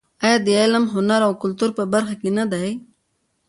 آیا د علم، هنر او کلتور په برخه کې نه دی؟